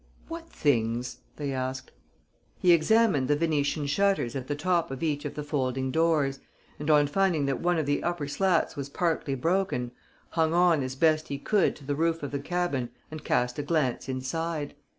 "What things?" they asked. He examined the Venetian shutters at the top of each of the folding doors and, on finding that one of the upper slats was partly broken, hung on as best he could to the roof of the cabin and cast a glance inside.